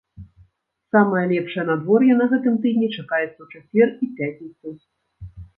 Самае лепшае надвор'е на гэтым тыдні чакаецца ў чацвер і пятніцу.